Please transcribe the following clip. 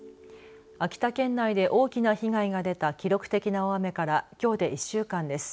秋田県内で大きな被害が出た記録的な大雨からきょうで１週間です。